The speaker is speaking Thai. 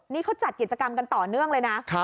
นี่เขาจัดกิจกรรมกันต่อเนื่องเลยนะ